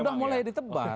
sudah mulai ditebar